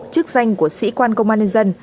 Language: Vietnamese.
chức danh của sĩ quan công an nhân dân